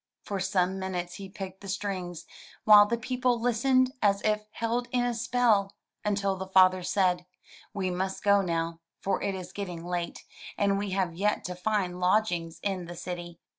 For some minutes he picked the strings, while the people listened as if held in a spell, until the father said, "We must go now, for it is getting late, and we have yet to find lodgings in the city.